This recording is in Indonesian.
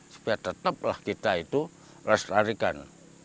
supaya tetaplah kita itu lestarikan